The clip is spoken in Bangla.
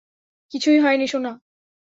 কিছুই হয়নি, সোনা।